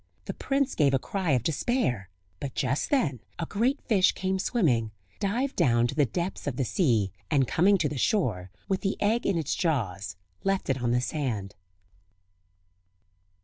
The prince gave a cry of despair; but just then a great fish came swimming, dived down to the depths of the sea, and coming to the shore, with the egg in its jaws, left it on the sand.